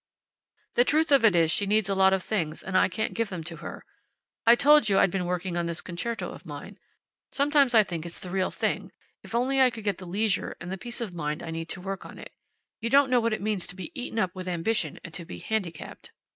The truth of it is she needs a lot of things and I can't give them to her. I told you I'd been working on this concerto of mine. Sometimes I think it's the real thing, if only I could get the leisure and the peace of mind I need to work on it. You don't know what it means to be eaten up with ambition and to be handicapped."